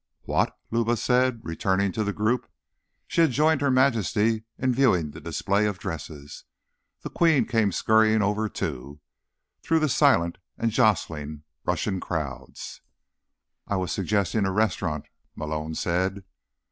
"What?" Luba said, returning to the group. She had joined Her Majesty in viewing the display of dresses. The Queen came scurrying over, too, through the silent and jostling Russian crowds. "I was suggesting a restaurant," Malone said.